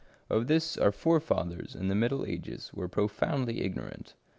Of this our forefathers in the middle ages were profoundly ignorant.